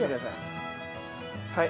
はい。